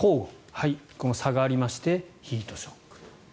はい、この差がありましてヒートショック。